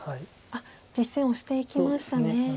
実戦オシていきましたね。